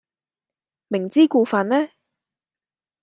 明知故犯呢？